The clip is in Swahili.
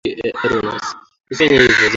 Mushibalokotiye mioko yabo